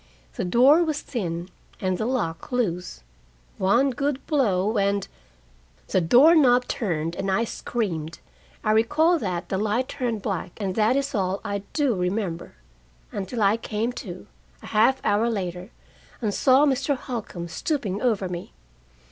The door was thin, and the lock loose: one good blow, and The door knob turned, and I screamed. I recall that the light turned black, and that is all I do remember, until I came to, a half hour later, and saw Mr. Holcombe stooping over me.